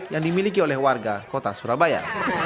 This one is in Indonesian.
yang dimiliki oleh warga kota surabaya